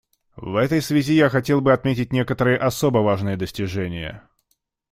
В этой связи я хотел бы отметить некоторые особо важные достижения.